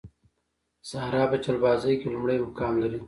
ساره په چلبازۍ کې لومړی مقام لري.